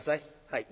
「はい。